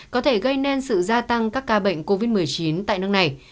có thể gây nên sự gia tăng các ca bệnh covid một mươi chín tại nước này